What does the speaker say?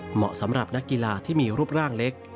เหมาะสำหรับนักกีฬาที่มีรูปร่างเล็ก